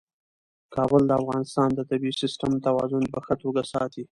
کابل د افغانستان د طبعي سیسټم توازن په ښه توګه ساتي.